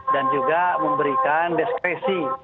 dan juga memberikan diskresi